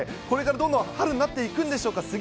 これからどんどん春になっていくんでしょうか。